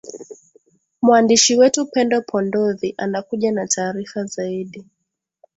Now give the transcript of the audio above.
mwandishi wetu pendo pondovi anakuja na taarifa zaidi